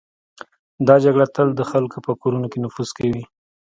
دا جګړه تل د خلکو په کورونو کې نفوذ کوي.